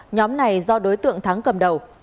nhóm này do đối tượng thắng cầm đầu